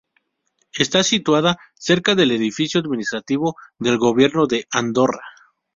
Está situada cerca del edificio administrativo del Gobierno de Andorra.